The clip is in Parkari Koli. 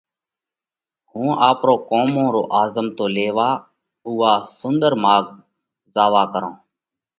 “هُون آپرون ڪرمون رو آزمتو ليوا اُوئہ سُنۮر ماڳ زاوا ڪرونه،